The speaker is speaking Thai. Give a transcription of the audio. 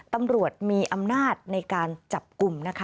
ตำรวจมีอำนาจในการจับกลุ่มนะคะ